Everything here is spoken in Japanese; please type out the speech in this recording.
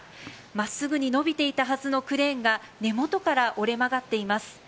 真っすぐに伸びていたはずのクレーンが根元から折れ曲がっています。